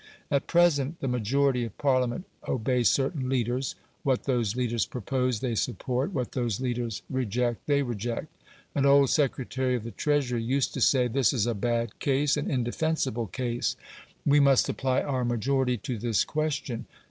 At present the majority of Parliament obey certain leaders; what those leaders propose they support, what those leaders reject they reject. An old Secretary of the Treasury used to say, "This is a bad case, an indefensible case. We must apply our majority to this question."